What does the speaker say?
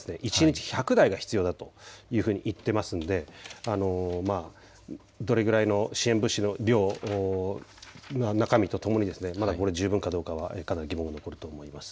国連側は一日１００台が必要だというふうに言っていますのでどれぐらいの支援物資の量、中身とともにまだ十分かどうかはかなり疑問が残ると思います。